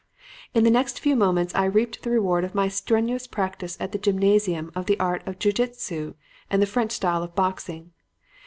"In the next few moments I reaped the reward of my strenuous practice at the gymnasium of the art of Jiu jitsu and the French style of boxing.